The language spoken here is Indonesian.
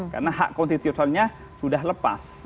karena hak konstitusionalnya sudah lepas